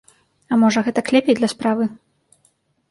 А можа, гэтак лепей для справы?